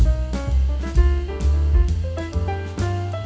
andy lu kemana